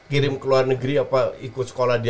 kirim ke luar negeri apa ikut sekolah dia